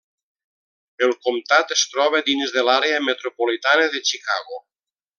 El comtat es troba dins de l'àrea metropolitana de Chicago.